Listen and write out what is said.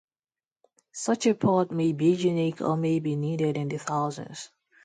Such a part may be unique or may be needed in the thousands.